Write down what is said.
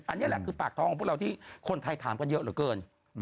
อันนี้แหละคือปากท้องของพวกเราที่คนไทยถามกันเยอะเหลือเกิน